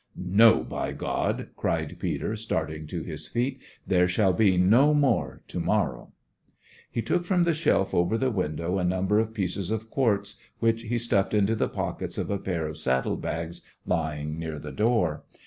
"No, by God!" cried Peter, starting to his feet. "There shall be no more to morrow!" He took from the shelf over the window a number of pieces of quartz, which he stuffed into the pockets of a pair of saddle bags lying near the door.